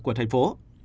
của thành phố